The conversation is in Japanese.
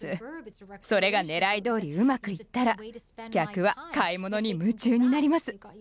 それがねらいどおりうまくいったら客は買い物に夢中になります。